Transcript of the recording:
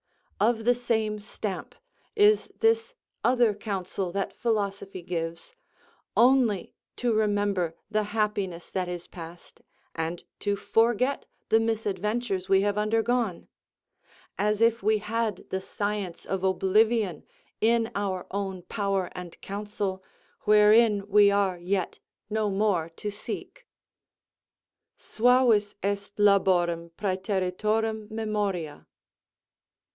Of the same stamp is this other counsel that philosophy gives, only to remember the happiness that is past, and to forget the misadventures we have undergone; as if we had the science of oblivion in our own power, and counsel, wherein we are yet no more to seek. Suavis laborum est præteritorum ræmoria.